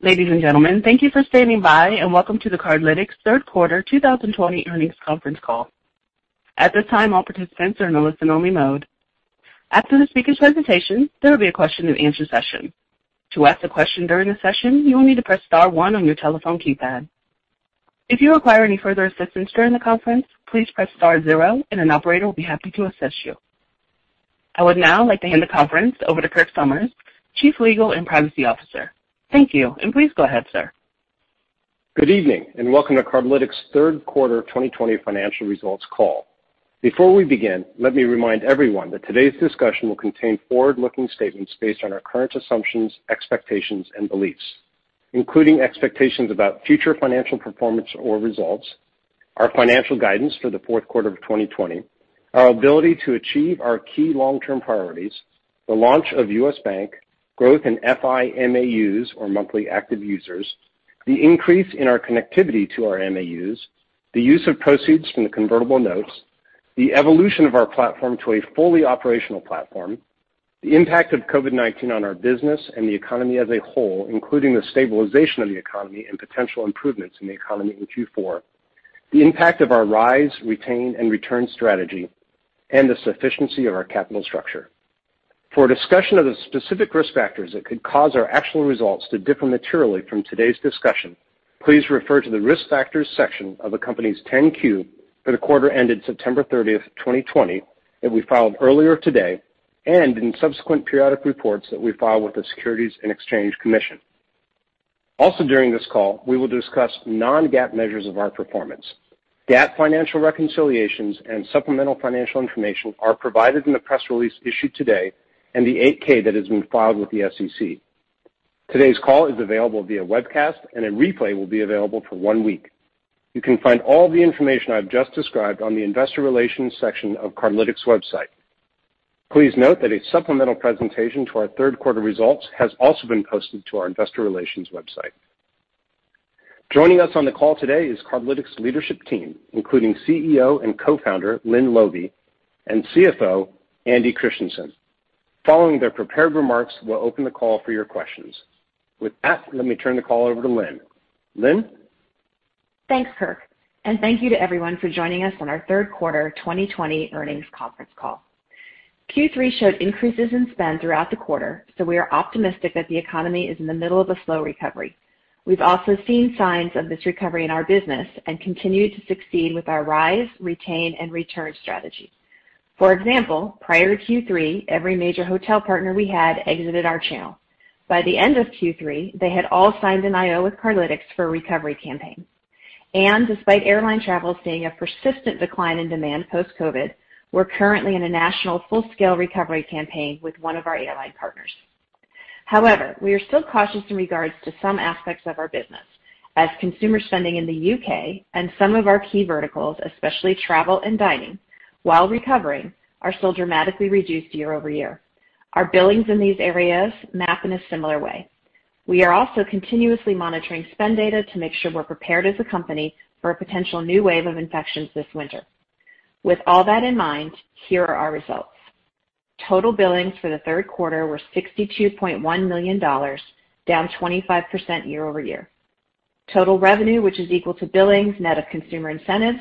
Ladies and gentlemen, thank you for standing by and welcome to the Cardlytics third quarter 2020 earnings conference call. At this time, all participants are in a listen-only mode. After the speaker's presentation, there will be a question-and-answer session. To ask a question during the session, you will need to press star one on your telephone keypad. If you require any further assistance during the conference, please press star zero and an operator will be happy to assist you. I would now like to hand the conference over to Kirk Somers, Chief Legal and Privacy Officer. Thank you, and please go ahead, sir. Good evening, welcome to Cardlytics' third quarter 2020 financial results call. Before we begin, let me remind everyone that today's discussion will contain forward-looking statements based on our current assumptions, expectations, and beliefs, including expectations about future financial performance or results, our financial guidance for the fourth quarter of 2020, our ability to achieve our key long-term priorities, the launch of U.S. Bank, growth in FI MAUs, or Monthly Active Users, the increase in our connectivity to our MAUs, the use of proceeds from the convertible notes, the evolution of our platform to a fully operational platform, the impact of COVID-19 on our business and the economy as a whole, including the stabilization of the economy and potential improvements in the economy in Q4, the impact of our Rise, Retain and Return strategy, and the sufficiency of our capital structure. For a discussion of the specific risk factors that could cause our actual results to differ materially from today's discussion, please refer to the Risk Factors section of the company's 10-Q for the quarter ended September 30, 2020 that we filed earlier today, and in subsequent periodic reports that we file with the Securities and Exchange Commission. Also during this call, we will discuss non-GAAP measures of our performance. GAAP financial reconciliations and supplemental financial information are provided in the press release issued today and the 8-K that has been filed with the SEC. Today's call is available via webcast, and a replay will be available for one week. You can find all the information I've just described on the investor relations section of Cardlytics website. Please note that a supplemental presentation to our third quarter results has also been posted to our investor relations website. Joining us on the call today is Cardlytics leadership team, including Chief Executive Officer and Co-Founder, Lynne Laube, and Chief Financial Officer, Andy Christiansen. Following their prepared remarks, we'll open the call for your questions. With that, let me turn the call over to Lynne. Lynne? Thanks, Kirk, and thank you to everyone for joining us on our third quarter 2020 earnings conference call. Q3 showed increases in spend throughout the quarter, so we are optimistic that the economy is in the middle of a slow recovery. We've also seen signs of this recovery in our business and continue to succeed with our Rise, Retain and Return strategy. For example, prior to Q3, every major hotel partner we had exited our channel. By the end of Q3, they had all signed an IO with Cardlytics for a recovery campaign. Despite airline travel seeing a persistent decline in demand post-COVID-19, we're currently in a national full-scale recovery campaign with one of our airline partners. We are still cautious in regards to some aspects of our business as consumer spending in the U.K. and some of our key verticals, especially travel and dining, while recovering, are still dramatically reduced year-over-year. Our billings in these areas map in a similar way. We are also continuously monitoring spend data to make sure we're prepared as a company for a potential new wave of infections this winter. With all that in mind, here are our results. Total billings for the third quarter were $62.1 million, down 25% year-over-year. Total revenue, which is equal to billings net of consumer incentives,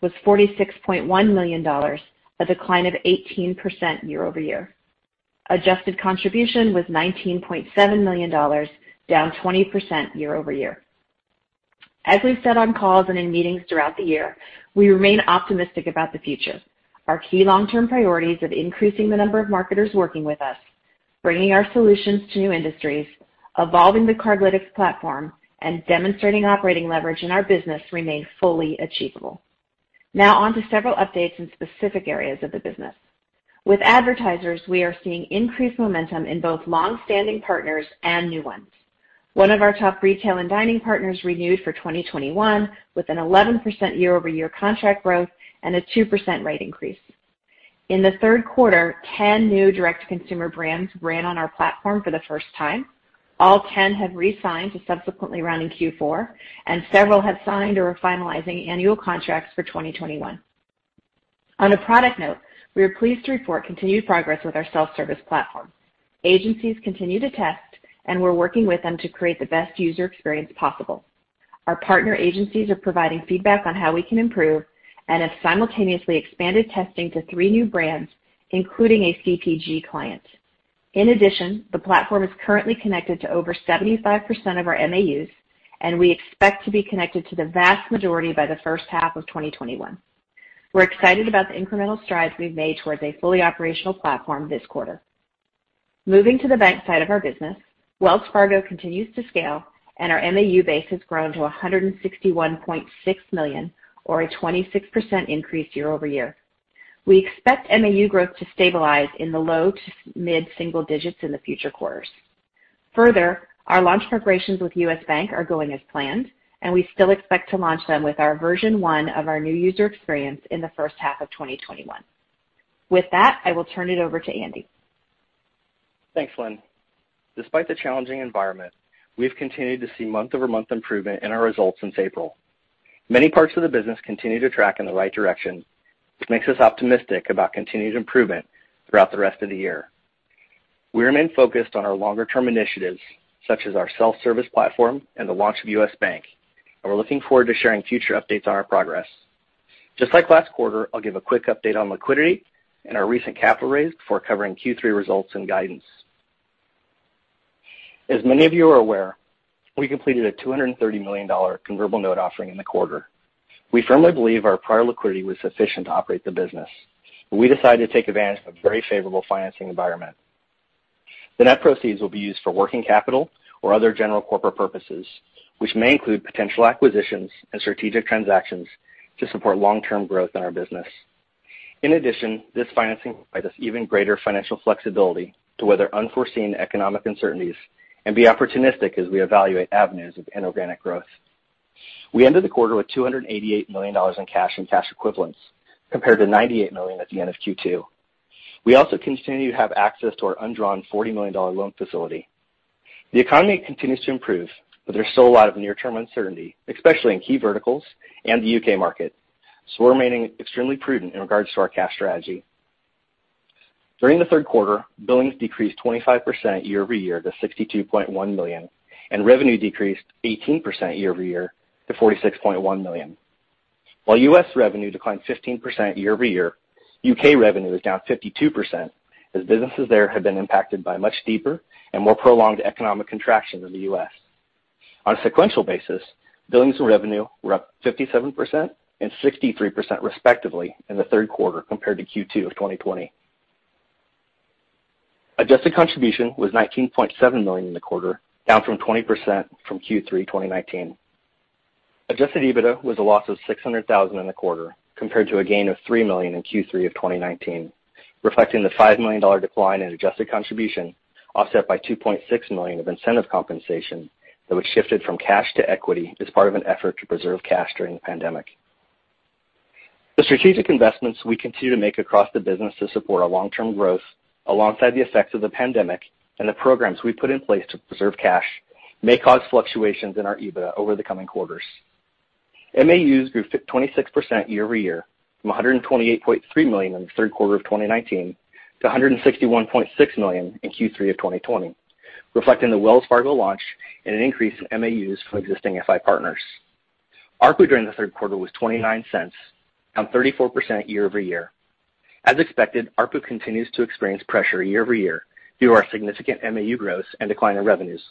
was $46.1 million, a decline of 18% year-over-year. Adjusted contribution was $19.7 million, down 20% year-over-year. As we've said on calls and in meetings throughout the year, we remain optimistic about the future. Our key long-term priorities of increasing the number of marketers working with us, bringing our solutions to new industries, evolving the Cardlytics platform, and demonstrating operating leverage in our business remain fully achievable. Now on to several updates in specific areas of the business. With advertisers, we are seeing increased momentum in both longstanding partners and new ones. One of our top retail and dining partners renewed for 2021 with an 11% year-over-year contract growth and a 2% rate increase. In the third quarter, 10 new direct consumer brands ran on our platform for the first time. All 10 have re-signed to subsequently run in Q4, and several have signed or are finalizing annual contracts for 2021. On a product note, we are pleased to report continued progress with our self-service platform. Agencies continue to test, and we're working with them to create the best user experience possible. Our partner agencies are providing feedback on how we can improve and have simultaneously expanded testing to three new brands, including a CPG client. The platform is currently connected to over 75% of our MAUs, and we expect to be connected to the vast majority by the first half of 2021. We're excited about the incremental strides we've made towards a fully operational platform this quarter. Moving to the bank side of our business, Wells Fargo continues to scale, and our MAU base has grown to 161.6 million or a 26% increase year-over-year. We expect MAU growth to stabilize in the low to mid-single digits in the future quarters. Our launch preparations with U.S. Bank are going as planned, and we still expect to launch them with our version 1 of our new user experience in the first half of 2021. With that, I will turn it over to Andy. Thanks, Lynne. Despite the challenging environment, we've continued to see month-over-month improvement in our results since April. Many parts of the business continue to track in the right direction, which makes us optimistic about continued improvement throughout the rest of the year. We remain focused on our longer-term initiatives, such as our self-service platform and the launch of U.S. Bank, and we're looking forward to sharing future updates on our progress. Just like last quarter, I'll give a quick update on liquidity and our recent capital raise before covering Q3 results and guidance. As many of you are aware, we completed a $230 million convertible note offering in the quarter. We firmly believe our prior liquidity was sufficient to operate the business, but we decided to take advantage of a very favorable financing environment. The net proceeds will be used for working capital or other general corporate purposes, which may include potential acquisitions and strategic transactions to support long-term growth in our business. In addition, this financing provides us even greater financial flexibility to weather unforeseen economic uncertainties and be opportunistic as we evaluate avenues of inorganic growth. We ended the quarter with $288 million in cash and cash equivalents, compared to $98 million at the end of Q2. We also continue to have access to our undrawn $40 million loan facility. The economy continues to improve, but there's still a lot of near-term uncertainty, especially in key verticals and the U.K. market. We're remaining extremely prudent in regards to our cash strategy. During the third quarter, billings decreased 25% year-over-year to $62.1 million, and revenue decreased 18% year-over-year to $46.1 million. While U.S. revenue declined 15% year-over-year, U.K. revenue is down 52% as businesses there have been impacted by a much deeper and more prolonged economic contraction than the U.S. On a sequential basis, billings and revenue were up 57% and 63% respectively in the third quarter compared to Q2 of 2020. Adjusted contribution was $19.7 million in the quarter, down 20% from Q3 2019. Adjusted EBITDA was a loss of $600,000 in the quarter compared to a gain of $3 million in Q3 of 2019, reflecting the $5 million decline in Adjusted contribution, offset by $2.6 million of incentive compensation that was shifted from cash to equity as part of an effort to preserve cash during the pandemic. The strategic investments we continue to make across the business to support our long-term growth alongside the effects of the pandemic and the programs we've put in place to preserve cash may cause fluctuations in our EBITDA over the coming quarters. MAUs grew 26% year-over-year, from 128.3 million in the third quarter of 2019 to 161.6 million in Q3 of 2020, reflecting the Wells Fargo launch and an increase in MAUs from existing FI partners. ARPU during the third quarter was $0.29, down 34% year-over-year. As expected, ARPU continues to experience pressure year-over-year due to our significant MAU growth and decline in revenues.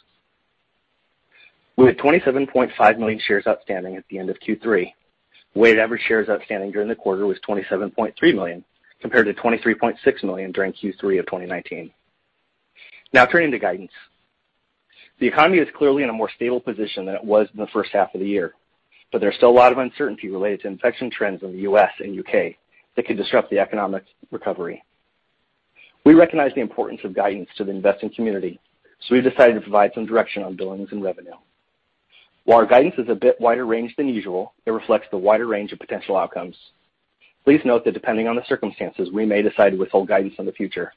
We had 27.5 million shares outstanding at the end of Q3. Weighted average shares outstanding during the quarter was 27.3 million, compared to 23.6 million during Q3 of 2019. Now turning to guidance. The economy is clearly in a more stable position than it was in the first half of the year, but there's still a lot of uncertainty related to infection trends in the U.S. and U.K. that could disrupt the economic recovery. We recognize the importance of guidance to the investing community, so we've decided to provide some direction on billings and revenue. While our guidance is a bit wider ranged than usual, it reflects the wider range of potential outcomes. Please note that depending on the circumstances, we may decide to withhold guidance in the future.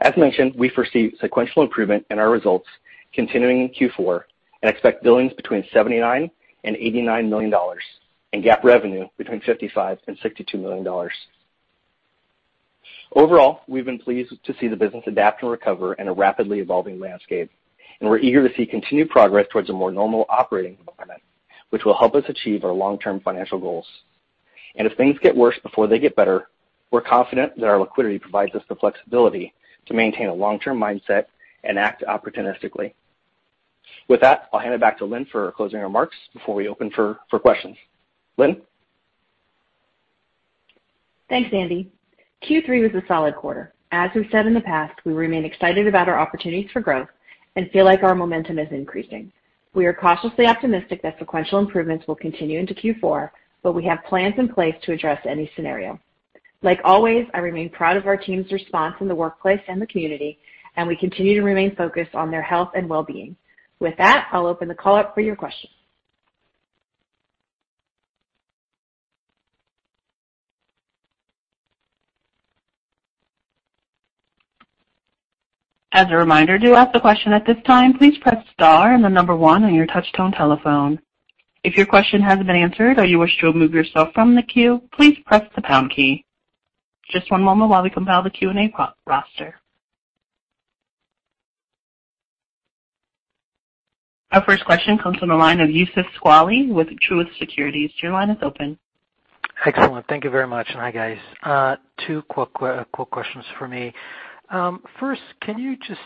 As mentioned, we foresee sequential improvement in our results continuing in Q4 and expect billings between $79 million and $89 million, and GAAP revenue between $55 million and $62 million. Overall, we've been pleased to see the business adapt and recover in a rapidly evolving landscape, and we're eager to see continued progress towards a more normal operating environment, which will help us achieve our long-term financial goals. If things get worse before they get better, we're confident that our liquidity provides us the flexibility to maintain a long-term mindset and act opportunistically. With that, I'll hand it back to Lynne for her closing remarks before we open for questions. Lynne? Thanks, Andy. Q3 was a solid quarter. As we've said in the past, we remain excited about our opportunities for growth and feel like our momentum is increasing. We are cautiously optimistic that sequential improvements will continue into Q4, but we have plans in place to address any scenario. Like always, I remain proud of our team's response in the workplace and the community, and we continue to remain focused on their health and wellbeing. With that, I'll open the call up for your questions. As a reminder to ask a question at this time please press star and number one on your touchtone telephone. If your question has been answered or you wish to remove yourself from the queue please press the pound key. Just one moment as we compile the Q&A roster. To remove your question from queue press Our first question comes from the line of Youssef Squali with Truist Securities, your line is open. Excellent. Thank you very much. Hi, guys? Two quick questions from me. First, can you just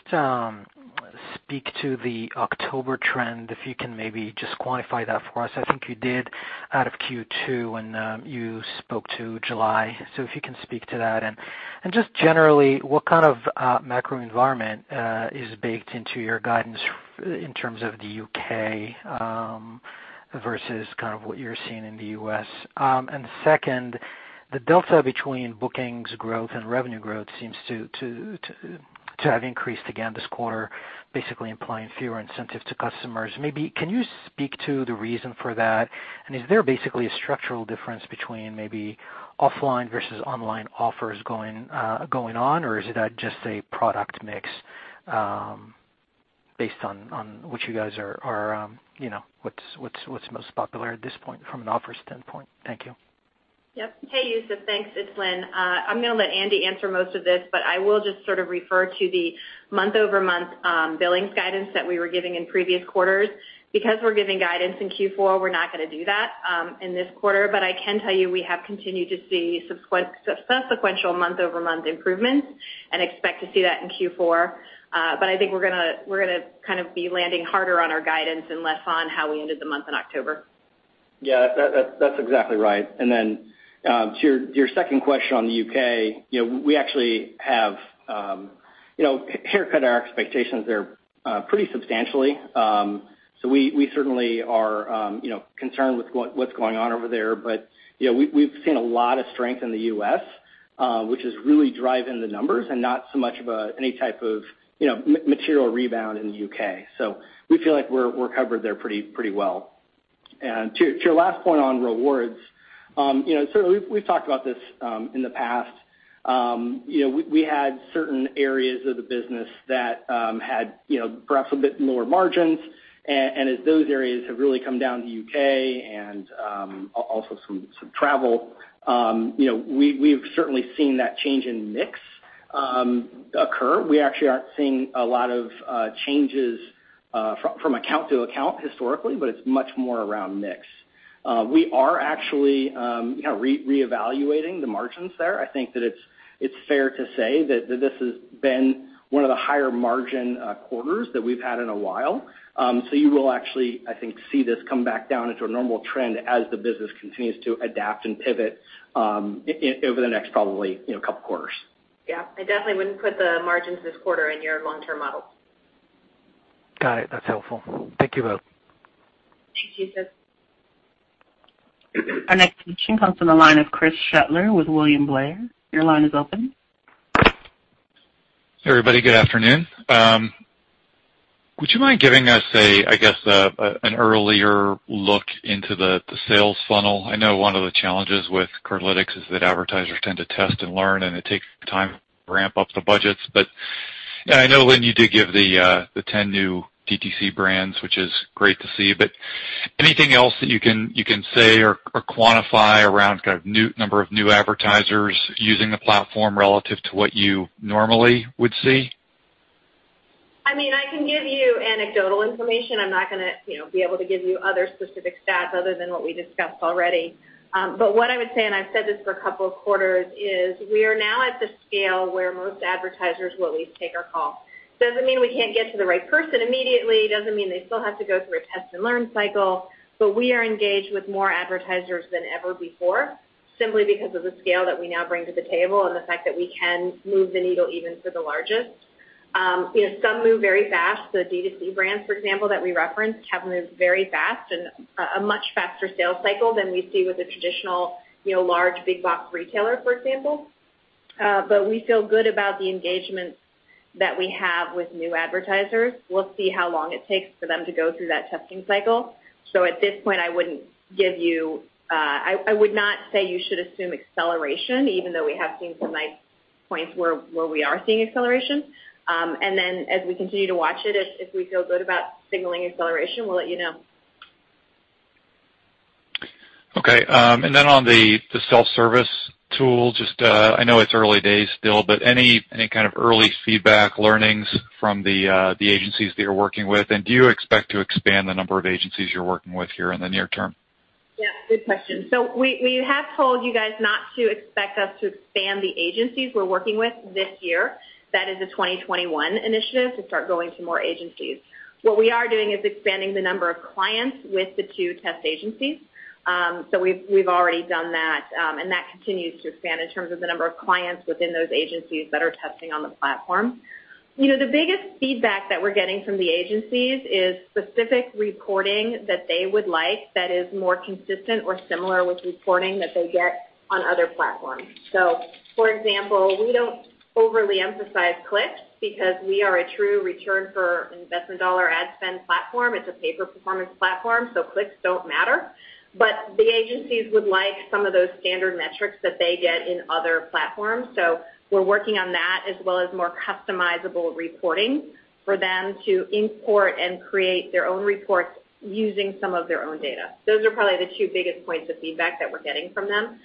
speak to the October trend, if you can maybe just quantify that for us? I think you did out of Q2 when you spoke to July. If you can speak to that. Just generally, what kind of macro environment is baked into your guidance in terms of the U.K. versus what you're seeing in the U.S.? Second, the delta between bookings growth and revenue growth seems to have increased again this quarter, basically implying fewer incentives to customers. Maybe can you speak to the reason for that? Is there basically a structural difference between maybe offline versus online offers going on, or is it just a product mix based on what you guys are, what's most popular at this point from an offers standpoint? Thank you. Yep. Hey, Youssef. Thanks. It's Lynne. I'm going to let Andy answer most of this. I will just sort of refer to the month-over-month billings guidance that we were giving in previous quarters. We're giving guidance in Q4, we're not going to do that in this quarter. I can tell you, we have continued to see subsequent sequential month-over-month improvements and expect to see that in Q4. I think we're going to kind of be landing harder on our guidance and less on how we ended the month in October. That's exactly right. To your second question on the U.K., we actually have haircut our expectations there pretty substantially. We certainly are concerned with what's going on over there. We've seen a lot of strength in the U.S., which is really driving the numbers and not so much of any type of material rebound in the U.K. We feel like we're covered there pretty well. To your last point on rewards, certainly, we've talked about this in the past. We had certain areas of the business that had perhaps a bit lower margins. As those areas have really come down, the U.K. and also some travel, we've certainly seen that change in mix occur. We actually aren't seeing a lot of changes from account to account historically, but it's much more around mix. We are actually reevaluating the margins there. I think that it's fair to say that this has been one of the higher margin quarters that we've had in a while. You will actually, I think, see this come back down into a normal trend as the business continues to adapt and pivot over the next probably couple quarters. Yeah. I definitely wouldn't put the margins this quarter in your long-term model. Got it. That's helpful. Thank you both. Thanks, Youssef. Our next question comes from the line of Chris Shutler with William Blair, your line is open. Hey, everybody. Good afternoon? Would you mind giving us, I guess, an earlier look into the sales funnel? I know one of the challenges with Cardlytics is that advertisers tend to test and learn, and it takes time to ramp up the budgets. I know, Lynne, you did give the 10 new DTC brands, which is great to see, but anything else that you can say or quantify around kind of number of new advertisers using the platform relative to what you normally would see? I can give you anecdotal information. I'm not going to be able to give you other specific stats other than what we discussed already. What I would say, and I've said this for a couple of quarters, is we are now at the scale where most advertisers will at least take our call. Doesn't mean we can't get to the right person immediately, doesn't mean they still have to go through a test and learn cycle. We are engaged with more advertisers than ever before, simply because of the scale that we now bring to the table and the fact that we can move the needle even for the largest. Some move very fast. The DTC brands, for example, that we referenced, have moved very fast and a much faster sales cycle than we see with a traditional large big box retailer, for example. We feel good about the engagements that we have with new advertisers. We'll see how long it takes for them to go through that testing cycle. At this point, I would not say you should assume acceleration, even though we have seen some nice points where we are seeing acceleration. As we continue to watch it, if we feel good about signaling acceleration, we'll let you know. Okay. On the self-service tool, just I know it's early days still, but any kind of early feedback learnings from the agencies that you're working with, and do you expect to expand the number of agencies you're working with here in the near term? Good question. We have told you guys not to expect us to expand the agencies we're working with this year. That is a 2021 initiative to start going to more agencies. What we are doing is expanding the number of clients with the two test agencies. We've already done that. That continues to expand in terms of the number of clients within those agencies that are testing on the platform. The biggest feedback that we're getting from the agencies is specific reporting that they would like that is more consistent or similar with reporting that they get on other platforms. For example, we don't overly emphasize clicks because we are a true return for investment dollar ad spend platform. It's a pay-for-performance platform, so clicks don't matter. The agencies would like some of those standard metrics that they get in other platforms. We're working on that as well as more customizable reporting for them to import and create their own reports using some of their own data. Those are probably the two biggest points of feedback that we're getting from them.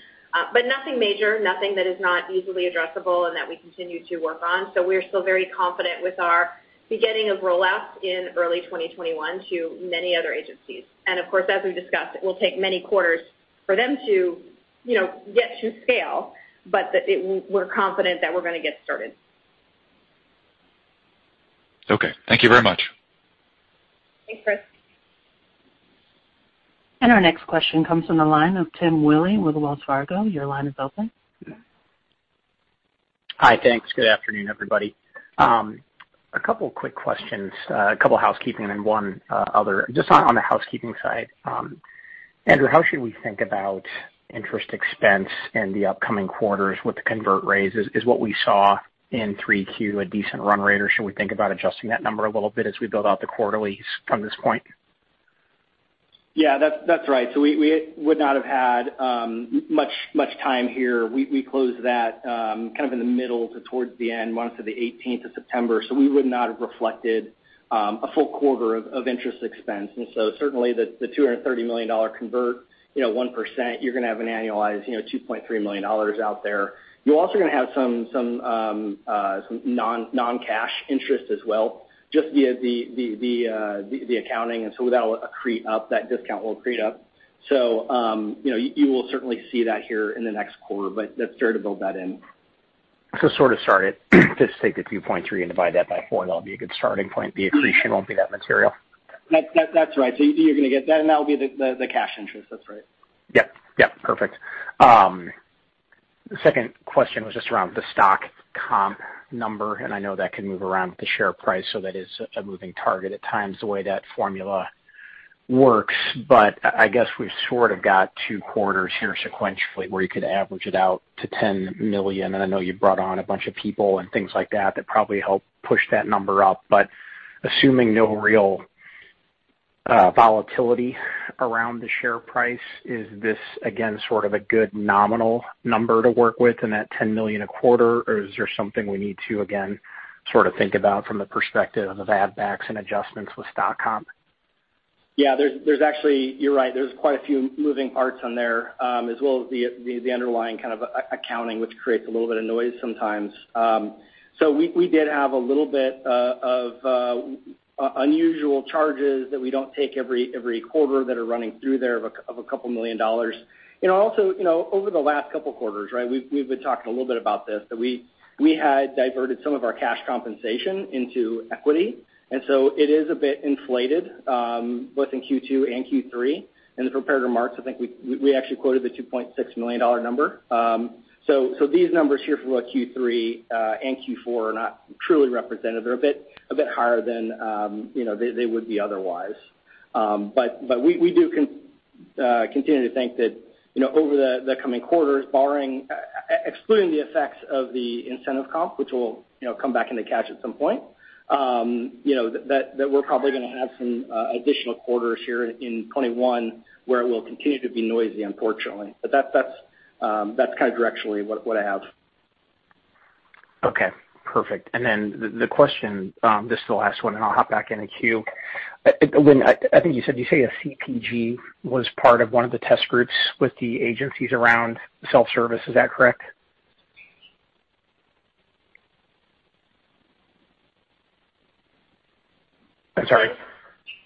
Nothing major, nothing that is not easily addressable and that we continue to work on. We're still very confident with our beginning of rollouts in early 2021 to many other agencies. Of course, as we discussed, it will take many quarters for them to get to scale, but we're confident that we're going to get started. Okay. Thank you very much. Thanks, Chris. Our next question comes from the line of Tim Willi with Wells Fargo, your line is open. Hi, thanks. Good afternoon everybody? A couple quick questions, a couple housekeeping and one other. Just on the housekeeping side, Andy, how should we think about interest expense in the upcoming quarters with the convert raises? Is what we saw in 3Q a decent run rate, or should we think about adjusting that number a little bit as we build out the quarterlies from this point? Yeah, that's right. We would not have had much time here. We closed that kind of in the middle to towards the end months of September 18. We would not have reflected a full quarter of interest expense. Certainly the $230 million convert, 1%, you're going to have an annualized $2.3 million out there. You're also going to have some non-cash interest as well, just via the accounting. That discount will accrete up. You will certainly see that here in the next quarter, but that's there to build that in. Sort of start it. Just take the $2.3 million and divide that by four. That'll be a good starting point. The accretion won't be that material. That's right. You're going to get that, and that'll be the cash interest. That's right. Yep. Perfect. The second question was just around the stock comp number. I know that can move around with the share price, so that is a moving target at times, the way that formula works. I guess we've sort of got two quarters here sequentially where you could average it out to $10 million. I know you brought on a bunch of people and things like that probably help push that number up. Assuming no real volatility around the share price, is this again sort of a good nominal number to work with in that $10 million a quarter? Is there something we need to, again, sort of think about from the perspective of add backs and adjustments with stock comp? Yeah, you're right. There's quite a few moving parts on there, as well as the underlying kind of accounting, which creates a little bit of noise sometimes. We did have a little bit of unusual charges that we don't take every quarter that are running through there of a couple million dollars. Also, over the last couple of quarters, we've been talking a little bit about this, that we had diverted some of our cash compensation into equity. It is a bit inflated, both in Q2 and Q3. In the prepared remarks, I think we actually quoted the $2.6 million number. These numbers here for Q3 and Q4 are not truly representative. They're a bit higher than they would be otherwise. We do continue to think that over the coming quarters, excluding the effects of the incentive comp, which will come back into cash at some point that we're probably going to have some additional quarters here in 2021 where it will continue to be noisy, unfortunately. That's kind of directionally what I have. Okay, perfect. The question, this is the last one, and I'll hop back in the queue. Lynne, I think you said, you say a CPG was part of one of the test groups with the agencies around self-service. Is that correct? I'm sorry.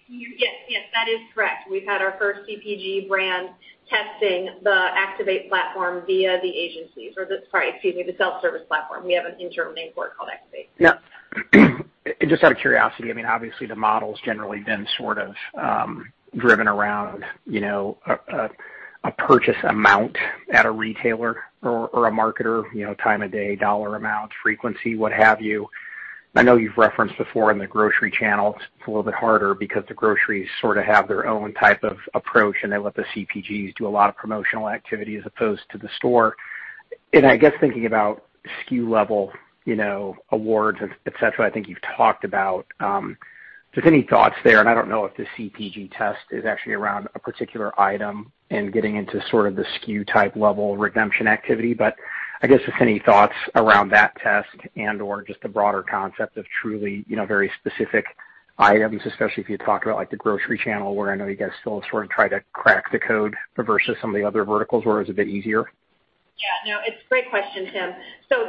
Yes, that is correct. We've had our first CPG brand testing the Activate platform via the agencies. Sorry, excuse me, the self-service platform. We have an internal name for it called Activate. Yep. Just out of curiosity, obviously the model's generally been sort of driven around a purchase amount at a retailer or a marketer, time of day, dollar amount, frequency, what have you. I know you've referenced before in the grocery channels, it's a little bit harder because the groceries sort of have their own type of approach, and they let the CPGs do a lot of promotional activity as opposed to the store. I guess thinking about SKU level awards, et cetera, I think you've talked about. Just any thoughts there, and I don't know if the CPG test is actually around a particular item and getting into sort of the SKU type level redemption activity, but I guess just any thoughts around that test and, or just the broader concept of truly very specific items, especially if you talk about the grocery channel where I know you guys still sort of try to crack the code versus some of the other verticals where it's a bit easier. Yeah, no, it's a great question, Tim.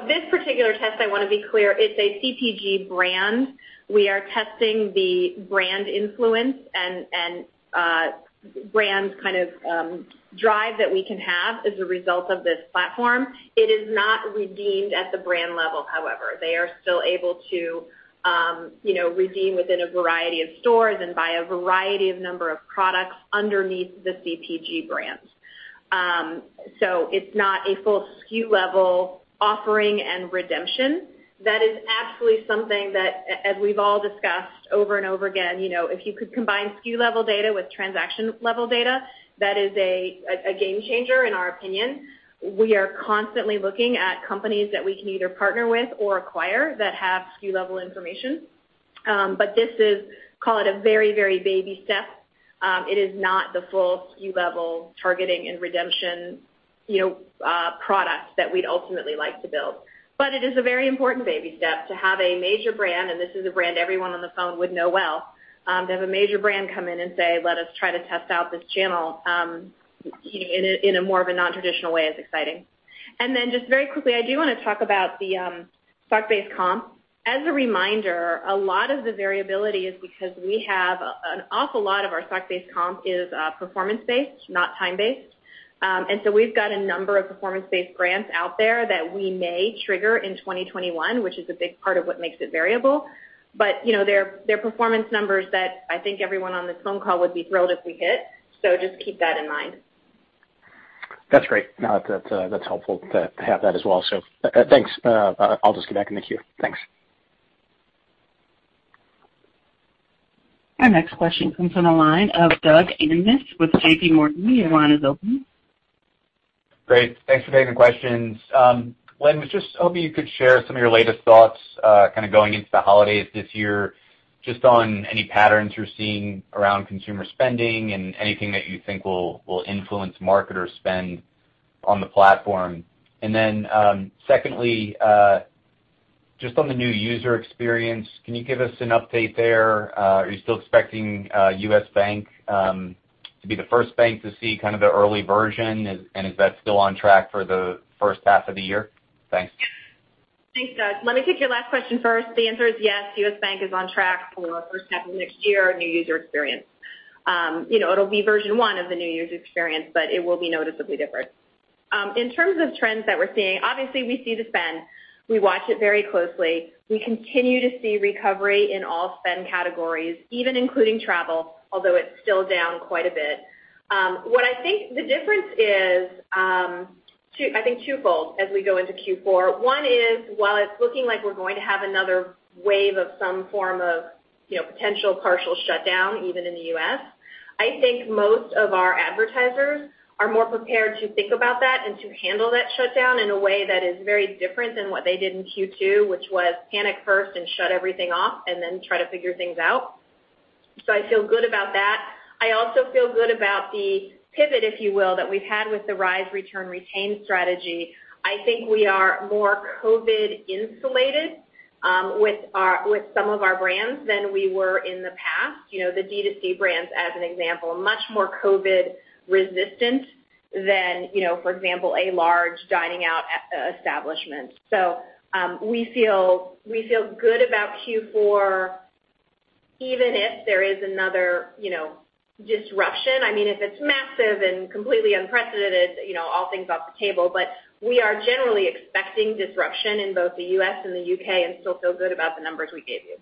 This particular test, I want to be clear, it's a CPG brand. We are testing the brand influence and brand kind of drive that we can have as a result of this platform. It is not redeemed at the brand level, however. They are still able to redeem within a variety of stores and buy a variety of number of products underneath the CPG brands. It's not a full SKU level offering and redemption. That is absolutely something that, as we've all discussed over and over again, if you could combine SKU level data with transaction level data, that is a game changer in our opinion. We are constantly looking at companies that we can either partner with or acquire that have SKU level information. This is, call it a very baby step. It is not the full SKU level targeting and redemption product that we'd ultimately like to build. It is a very important baby step to have a major brand, and this is a brand everyone on the phone would know well. To have a major brand come in and say, let us try to test out this channel, in a more of a non-traditional way is exciting. Then just very quickly, I do want to talk about the stock-based comp. As a reminder, a lot of the variability is because we have an awful lot of our stock-based comp is performance-based, not time-based. So we've got a number of performance-based grants out there that we may trigger in 2021, which is a big part of what makes it variable. They're performance numbers that I think everyone on this phone call would be thrilled if we hit. Just keep that in mind. That's great. No, that's helpful to have that as well. Thanks. I'll just get back in the queue. Thanks. Our next question comes from the line of Doug Anmuth with JPMorgan, your line is open. Great. Thanks for taking the questions. Lynne, was just hoping you could share some of your latest thoughts, going into the holidays this year, just on any patterns you're seeing around consumer spending and anything that you think will influence marketer spend on the platform. Secondly, just on the new user experience, can you give us an update there? Are you still expecting U.S. Bank to be the first bank to see the early version? Is that still on track for the first half of the year? Thanks. Thanks, Doug. Let me take your last question first. The answer is yes, U.S. Bank is on track for first half of next year, new user experience. It'll be version one of the new user experience, but it will be noticeably different. In terms of trends that we're seeing, obviously, we see the spend. We watch it very closely. We continue to see recovery in all spend categories, even including travel, although it's still down quite a bit. What I think the difference is, I think twofold, as we go into Q4. One is, while it's looking like we're going to have another wave of some form of potential partial shutdown, even in the U.S., I think most of our advertisers are more prepared to think about that and to handle that shutdown in a way that is very different than what they did in Q2, which was panic first and shut everything off, and then try to figure things out. I feel good about that. I also feel good about the pivot, if you will, that we've had with the Rise, Return, Retain strategy. I think we are more COVID-insulated with some of our brands than we were in the past. The D2C brands, as an example, are much more COVID resistant than, for example, a large dining-out establishment. We feel good about Q4, even if there is another disruption. If it's massive and completely unprecedented, all things off the table, but we are generally expecting disruption in both the U.S. and the U.K. and still feel good about the numbers we gave you.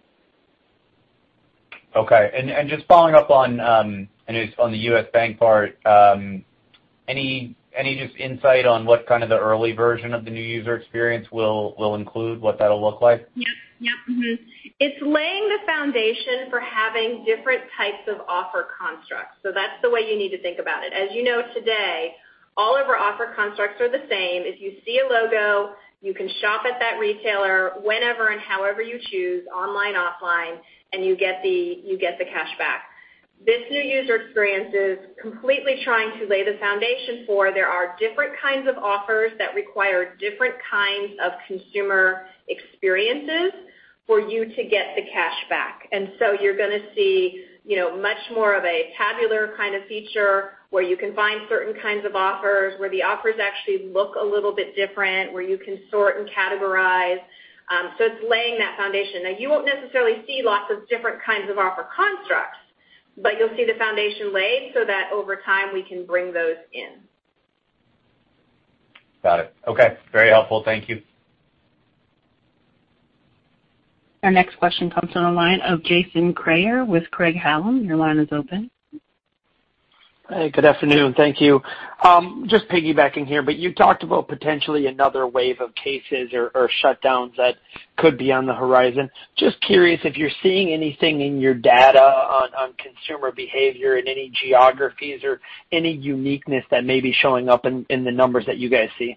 Okay. Just following up on the U.S. Bank part, any just insight on what kind of the early version of the new user experience will include, what that'll look like? Yep. It's laying the foundation for having different types of offer constructs. That's the way you need to think about it. As you know, today, all of our offer constructs are the same. If you see a logo, you can shop at that retailer whenever and however you choose, online, offline, and you get the cashback. This new user experience is completely trying to lay the foundation for there are different kinds of offers that require different kinds of consumer experiences for you to get the cashback. You're going to see much more of a tabular kind of feature where you can find certain kinds of offers, where the offers actually look a little bit different, where you can sort and categorize. It's laying that foundation. Now, you won't necessarily see lots of different kinds of offer constructs, but you'll see the foundation laid so that over time we can bring those in. Got it. Okay. Very helpful. Thank you. Our next question comes on the line of Jason Kreyer with Craig-Hallum, your line is open. Hey, good afternoon? Thank you. Just piggybacking here, you talked about potentially another wave of cases or shutdowns that could be on the horizon. Just curious if you're seeing anything in your data on consumer behavior in any geographies or any uniqueness that may be showing up in the numbers that you guys see?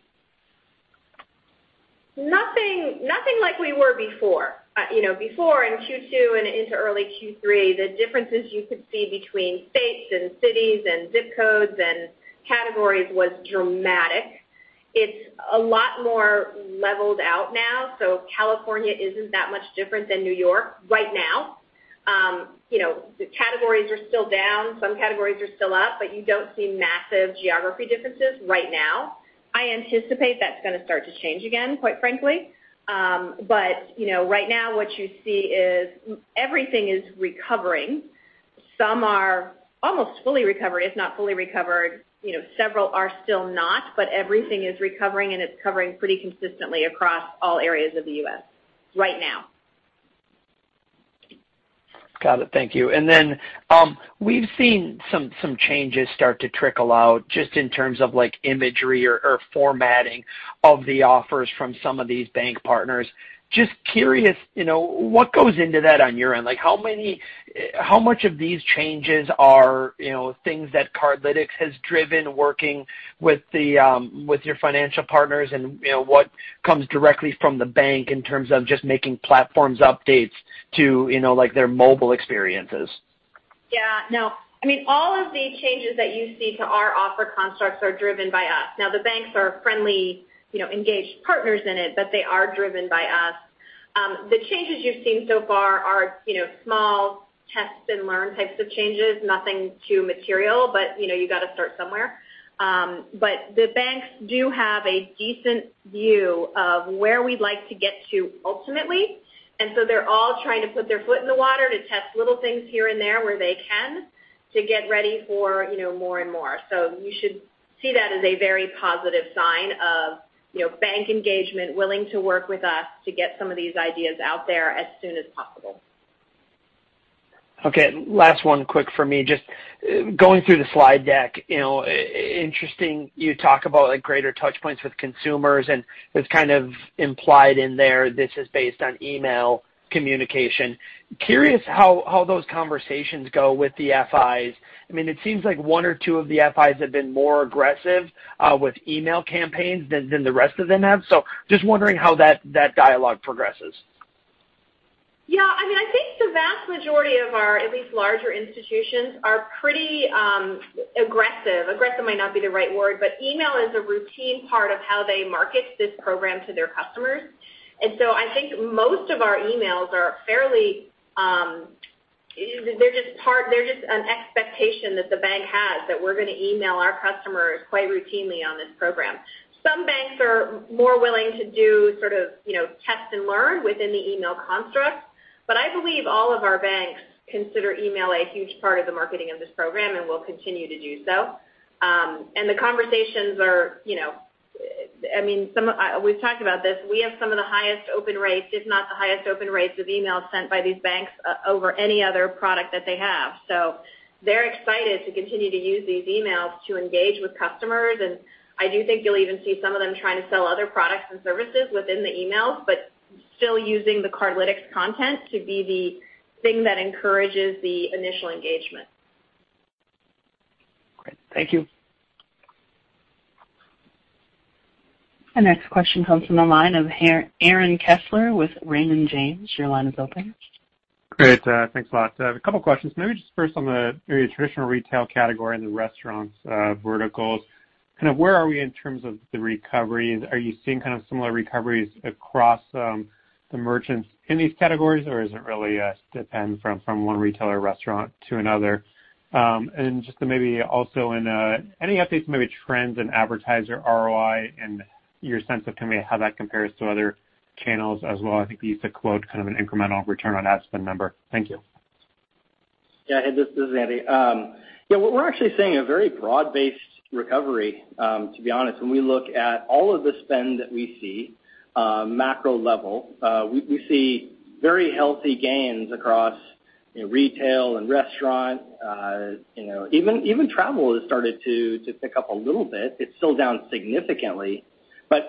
Nothing like we were before. Before in Q2 and into early Q3, the differences you could see between states and cities and ZIP codes and categories was dramatic. It's a lot more leveled out now. California isn't that much different than New York right now. The categories are still down. Some categories are still up, but you don't see massive geography differences right now. I anticipate that's going to start to change again, quite frankly. Right now what you see is everything is recovering. Some are almost fully recovered, if not fully recovered. Several are still not, but everything is recovering, and it's recovering pretty consistently across all areas of the U.S. right now. Got it. Thank you. We've seen some changes start to trickle out just in terms of imagery or formatting of the offers from some of these bank partners. Just curious, what goes into that on your end? How much of these changes are things that Cardlytics has driven working with your financial partners and what comes directly from the bank in terms of just making platform updates to their mobile experiences? No. All of the changes that you see to our offer constructs are driven by us. The banks are friendly, engaged partners in it, but they are driven by us. The changes you've seen so far are small tests and learn types of changes. Nothing too material, but you got to start somewhere. The banks do have a decent view of where we'd like to get to ultimately, they're all trying to put their foot in the water to test little things here and there where they can to get ready for more and more. You should see that as a very positive sign of bank engagement, willing to work with us to get some of these ideas out there as soon as possible. Okay. Last one quick for me. Just going through the slide deck, interesting you talk about greater touch points with consumers and it's kind of implied in there this is based on email communication. Curious how those conversations go with the FIs. It seems like one or two of the FIs have been more aggressive with email campaigns than the rest of them have. Just wondering how that dialogue progresses. I think the vast majority of our, at least larger institutions, are pretty aggressive. Aggressive might not be the right word, but email is a routine part of how they market this program to their customers. I think most of our emails are just an expectation that the bank has that we're going to email our customers quite routinely on this program. Some banks are more willing to do test and learn within the email construct. I believe all of our banks consider email a huge part of the marketing of this program and will continue to do so. The conversations, we've talked about this. We have some of the highest open rates, if not the highest open rates of emails sent by these banks over any other product that they have. They're excited to continue to use these emails to engage with customers, and I do think you'll even see some of them trying to sell other products and services within the emails, but still using the Cardlytics content to be the thing that encourages the initial engagement. Great. Thank you. Our next question comes from the line of Aaron Kessler with Raymond James, your line is open. Great. Thanks a lot. I have a couple questions. Maybe just first on the traditional retail category and the restaurants verticals. Where are we in terms of the recovery? Are you seeing similar recoveries across the merchants in these categories, or is it really a depend from one retailer restaurant to another? Just to maybe also any updates, maybe trends in advertiser ROI and your sense of how that compares to other channels as well. I think you used to quote an incremental return on ad spend number. Thank you. This is Andy. What we're actually seeing a very broad-based recovery, to be honest. When we look at all of the spend that we see, macro level, we see very healthy gains across retail and restaurant. Even travel has started to pick up a little bit. It's still down significantly, but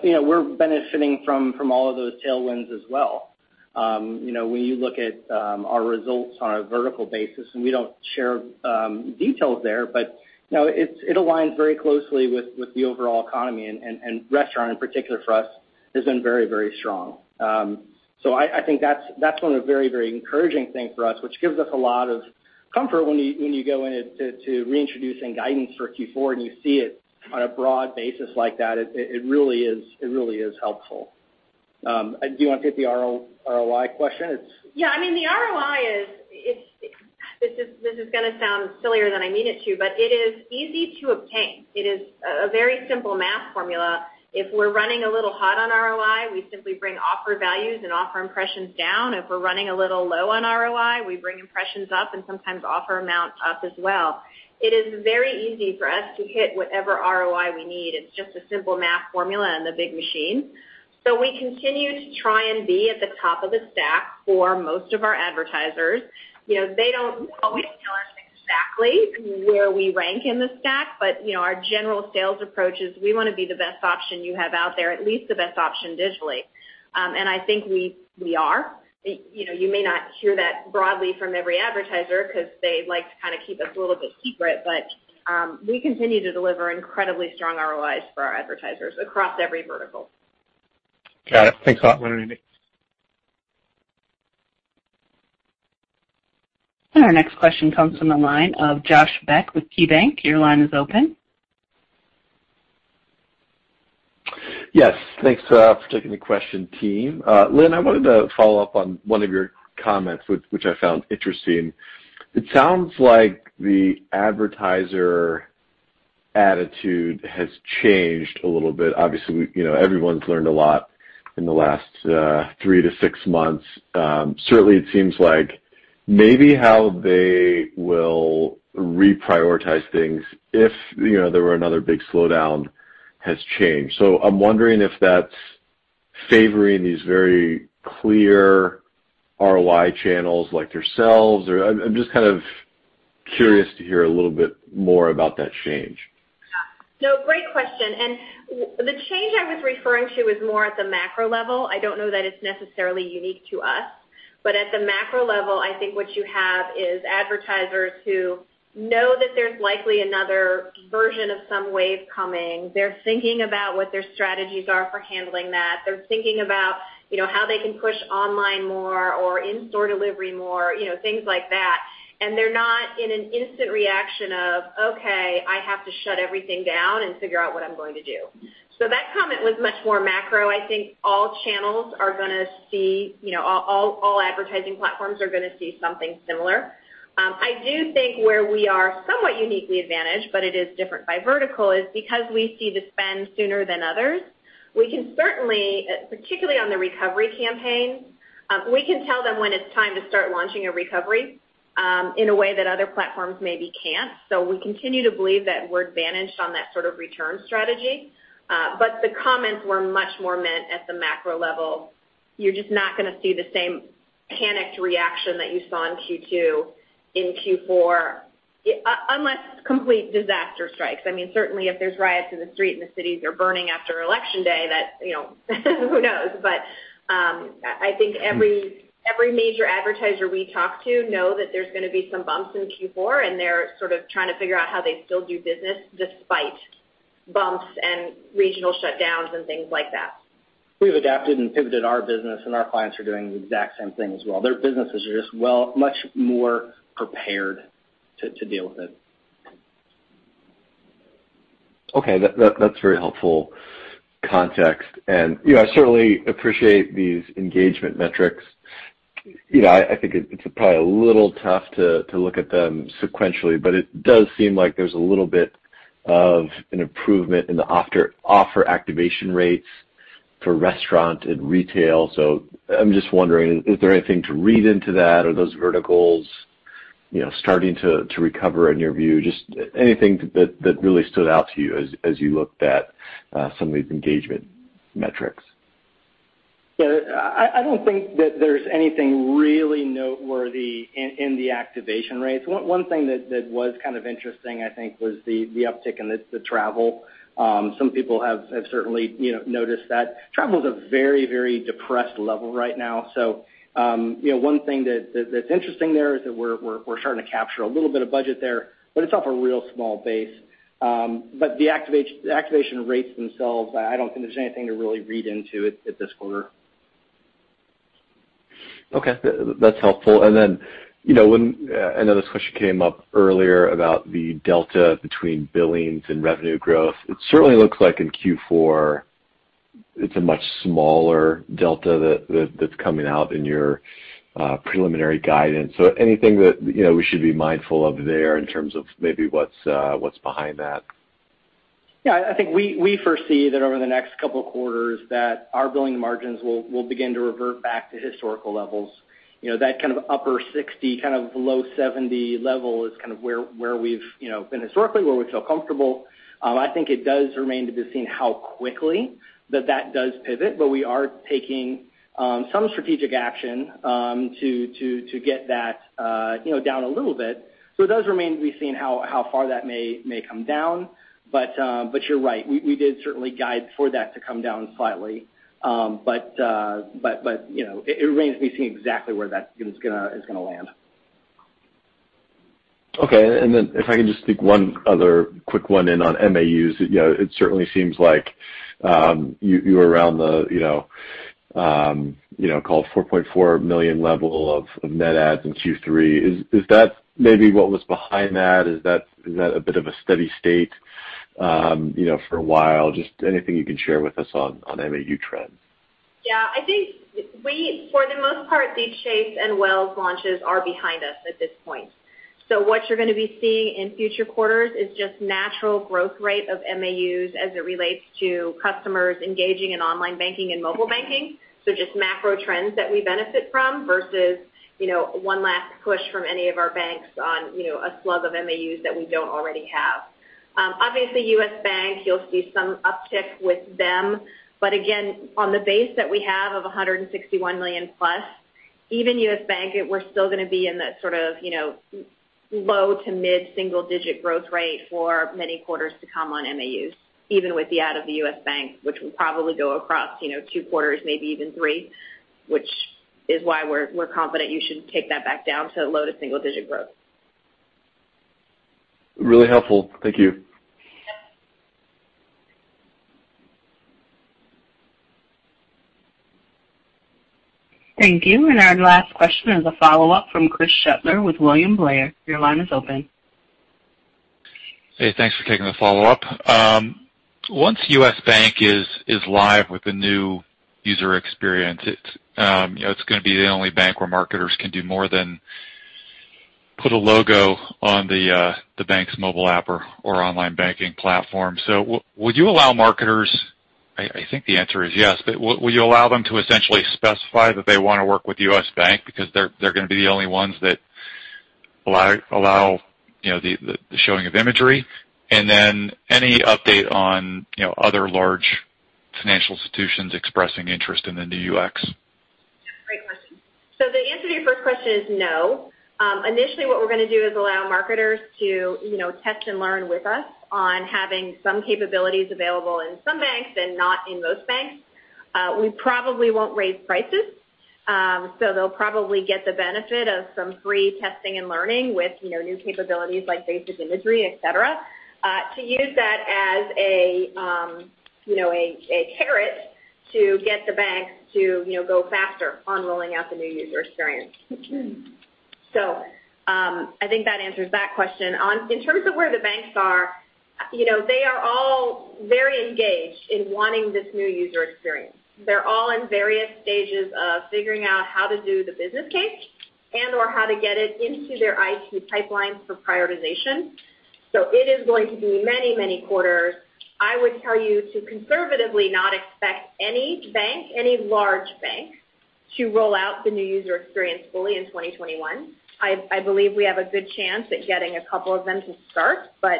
we're benefiting from all of those tailwinds as well. When you look at our results on a vertical basis, and we don't share details there, but it aligns very closely with the overall economy and restaurant in particular for us has been very strong. I think that's one of the very encouraging thing for us, which gives us a lot of comfort when you go in to reintroducing guidance for Q4 and you see it on a broad basis like that, it really is helpful. Do you want to take the ROI question? Yeah. The ROI, this is going to sound sillier than I mean it to, but it is easy to obtain. It is a very simple math formula. If we're running a little hot on ROI, we simply bring offer values and offer impressions down. If we're running a little low on ROI, we bring impressions up and sometimes offer amounts up as well. It is very easy for us to hit whatever ROI we need. It's just a simple math formula and a big machine. We continue to try and be at the top of the stack for most of our advertisers. They don't always tell us exactly where we rank in the stack, our general sales approach is we want to be the best option you have out there, at least the best option digitally. I think we are. You may not hear that broadly from every advertiser because they like to keep us a little bit secret, but we continue to deliver incredibly strong ROIs for our advertisers across every vertical. Got it. Thanks a lot. Our next question comes from the line of Josh Beck with KeyBanc, your line is open. Yes. Thanks for taking the question team. Lynne, I wanted to follow up on one of your comments, which I found interesting. It sounds like the advertiser attitude has changed a little bit. Obviously, everyone's learned a lot in the last three to six months. Certainly, it seems like maybe how they will reprioritize things if there were another big slowdown has changed. I'm wondering if that's favoring these very clear ROI channels like yourselves, or I'm just curious to hear a little bit more about that change. No, great question. The change I was referring to was more at the macro level. I don't know that it's necessarily unique to us. At the macro level, I think what you have is advertisers who know that there's likely another version of some wave coming. They're thinking about what their strategies are for handling that. They're thinking about how they can push online more or in-store delivery more, things like that. They're not in an instant reaction of, okay, I have to shut everything down and figure out what I'm going to do. That comment was much more macro. I think all advertising platforms are going to see something similar. I do think where we are somewhat uniquely advantaged, but it is different by vertical, is because we see the spend sooner than others. We can certainly, particularly on the recovery campaign, we can tell them when it's time to start launching a recovery in a way that other platforms maybe can't. We continue to believe that we're advantaged on that sort of return strategy. The comments were much more meant at the macro level. You're just not going to see the same panicked reaction that you saw in Q2 in Q4, unless complete disaster strikes. Certainly, if there's riots in the street and the cities are burning after election day, who knows. I think every major advertiser we talk to know that there's going to be some bumps in Q4, and they're sort of trying to figure out how they still do business despite bumps and regional shutdowns and things like that. We've adapted and pivoted our business, and our clients are doing the exact same thing as well. Their businesses are just much more prepared to deal with it. Okay. That's very helpful context. I certainly appreciate these engagement metrics. I think it's probably a little tough to look at them sequentially, it does seem like there's a little bit of an improvement in the offer activation rates for restaurant and retail. I'm just wondering, is there anything to read into that? Are those verticals starting to recover in your view? Just anything that really stood out to you as you looked at some of these engagement metrics? I don't think that there's anything really noteworthy in the activation rates. One thing that was kind of interesting, I think, was the uptick in the travel. Some people have certainly noticed that. Travel is at a very depressed level right now. One thing that's interesting there is that we're starting to capture a little bit of budget there, but it's off a real small base. The activation rates themselves, I don't think there's anything to really read into it at this quarter. Okay. That's helpful. I know this question came up earlier about the delta between billings and revenue growth. It certainly looks like in Q4, it's a much smaller delta that's coming out in your preliminary guidance. Anything that we should be mindful of there in terms of maybe what's behind that? Yeah, I think we foresee that over the next couple of quarters that our billing margins will begin to revert back to historical levels. That kind of upper 60%, low 70% level is kind of where we've been historically, where we feel comfortable. I think it does remain to be seen how quickly that does pivot. We are taking some strategic action to get that down a little bit. It does remain to be seen how far that may come down. You're right, we did certainly guide for that to come down slightly. It remains to be seen exactly where that is going to land. Okay. If I can just sneak one other quick one in on MAUs. It certainly seems like you were around the 4.4 million level of net adds in Q3. Is that maybe what was behind that? Is that a bit of a steady state for a while? Just anything you can share with us on MAU trends. Yeah, I think for the most part, these U.S. Bank and Wells Fargo launches are behind us at this point. What you're going to be seeing in future quarters is just natural growth rate of MAUs as it relates to customers engaging in online banking and mobile banking. Just macro trends that we benefit from versus one last push from any of our banks on a slug of MAUs that we don't already have. Obviously, U.S. Bank, you'll see some uptick with them. Again, on the base that we have of 161 million plus, even U.S. Bank, we're still going to be in that sort of low to mid-single digit growth rate for many quarters to come on MAUs, even with the add of U.S. Bank, which will probably go across two quarters, maybe even three quarters, which is why we're confident you should take that back down to low to single digit growth. Really helpful. Thank you. Thank you. Our last question is a follow-up from Chris Shutler with William Blair, your line is open. Hey, thanks for taking the follow-up. Once U.S. Bank is live with the new user experience, it's going to be the only bank where marketers can do more than put a logo on the bank's mobile app or online banking platform. Would you allow marketers, I think the answer is yes, but will you allow them to essentially specify that they want to work with U.S. Bank because they're going to be the only ones that allow the showing of imagery? Any update on other large financial institutions expressing interest in the new UX? Great question. The answer to your first question is no. Initially, what we're going to do is allow marketers to test and learn with us on having some capabilities available in some banks and not in most banks. We probably won't raise prices. They'll probably get the benefit of some free testing and learning with new capabilities like basic imagery, et cetera, to use that as a carrot to get the banks to go faster on rolling out the new user experience. I think that answers that question. In terms of where the banks are, they are all very engaged in wanting this new user experience. They're all in various stages of figuring out how to do the business case and/or how to get it into their IT pipelines for prioritization. It is going to be many quarters. I would tell you to conservatively not expect any bank, any large bank, to roll out the new user experience fully in 2021. I believe we have a good chance at getting a couple of them to start, but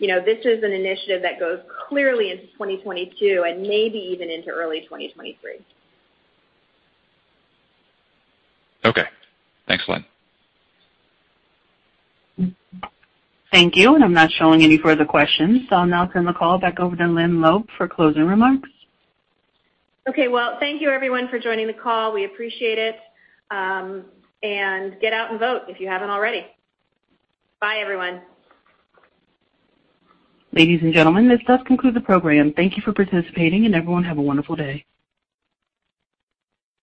this is an initiative that goes clearly into 2022 and maybe even into early 2023. Okay. Thanks a lot. Thank you. I'm not showing any further questions, so I'll now turn the call back over to Lynne Laube for closing remarks. Okay. Well, thank you everyone for joining the call. We appreciate it. Get out and vote if you haven't already. Bye, everyone. Ladies and gentlemen, this does conclude the program. Thank you for participating, and everyone have a wonderful day.